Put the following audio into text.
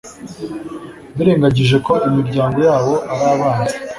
birengagije ko imiryango yabo ari abanzi